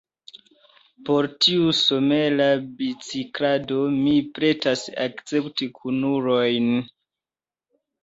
Por tiu somera biciklado mi pretas akcepti kunulojn.